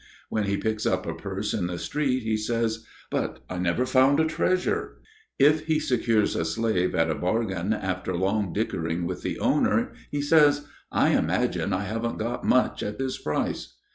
When he picks up a purse in the street, he says, "But I never found a treasure!" If he secures a slave at a bargain after long dickering with the owner, he says, "I imagine I haven't got much at this price."